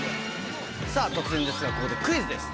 さぁ突然ですがここでクイズです。